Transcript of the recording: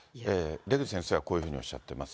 出口先生はこういうふうにおっしゃっています。